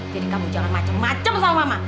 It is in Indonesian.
jadi kamu jangan macem macem sama mama